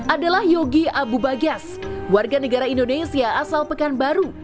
adalah yogi abu bagas warga negara indonesia asal pekanbaru